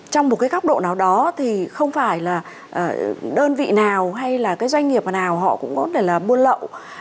trong một cái góc độ nào đó thì không phải là đơn vị nào hay là cái doanh nghiệp mà nào họ cũng có thể là buôn lậu